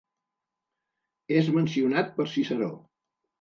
És mencionat per Ciceró.